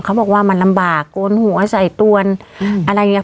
เขาบอกว่ามันลำบากโกนหัวใส่ตวนอะไรอย่างเงี้